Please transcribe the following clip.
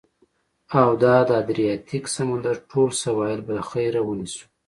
او د ادریاتیک سمندر ټول سواحل به له خیره، ونیسو.